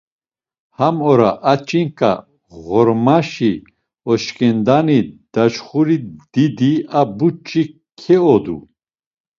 Ham ora a ç̌inǩa, ğormaşi oşǩendoni daçxuri didi a buç̌i keodu.